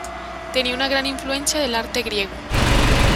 Tenía una gran influencia del arte griego.